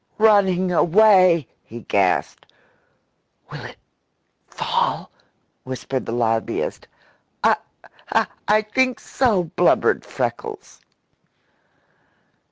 "Running away!" he gasped. "Will it fall?" whispered the lobbyist. "I I think so!" blubbered Freckles.